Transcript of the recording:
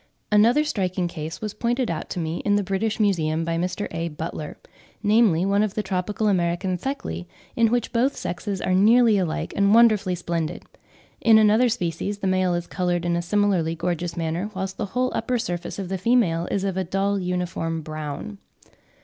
Another striking case was pointed out to me in the British Museum by Mr. A. Butler, namely, one of the tropical American Theclae, in which both sexes are nearly alike and wonderfully splendid; in another species the male is coloured in a similarly gorgeous manner, whilst the whole upper surface of the female is of a dull uniform brown.